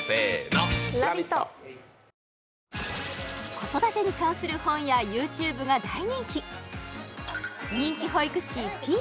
子育てに関する本やＹｏｕＴｕｂｅが大人気人気保育士てぃ